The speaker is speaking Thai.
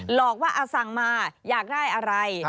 หลอกว่าสั่งมาอยากได้อะไร